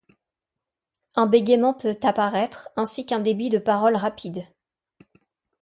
Un bégaiement peut apparaître, ainsi qu'un débit de parole rapide.